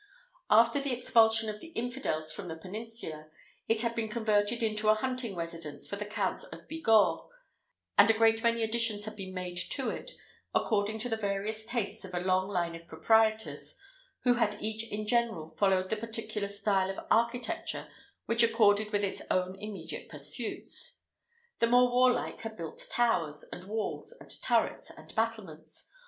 After the expulsion of the infidels from the Peninsula, it had been converted into a hunting residence for the counts of Bigorre, and a great many additions had been made to it, according to the various tastes of a long line of proprietors, who had each in general followed the particular style of architecture which accorded with his own immediate pursuits. The more warlike had built towers, and walls, and turrets, and battlements.